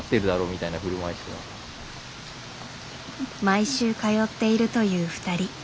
毎週通っているという２人。